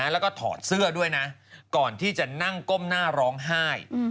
แล้วก็ถอดเสื้อด้วยนะก่อนที่จะนั่งก้มหน้าร้องไห้